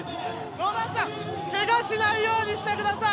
野田さん、けがしないようにしてください。